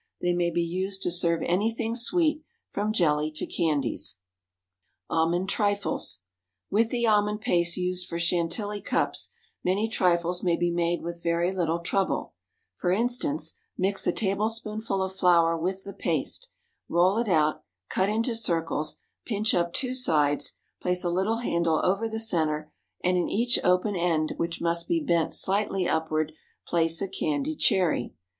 They may be used to serve anything sweet, from jelly to candies. Almond Trifles. With the almond paste used for Chantilly cups many trifles may be made with very little trouble; for instance, mix a tablespoonful of flour with the paste; roll it out; cut into circles; pinch up two sides; place a little handle over the centre, and in each open end, which must be bent slightly upward, place a candied cherry.